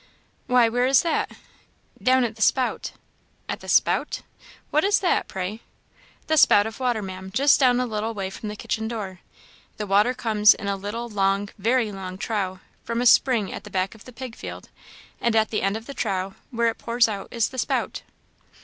"Why, where is that?" "Down at the spout." "At the spout what is that, pray?" "The spout of water, Maam, just down a little way from the kitchen door. The water comes in a little, long, very long, trough from a spring at the back of the pig field; and at the end of the trough, where it pours out, is the spout."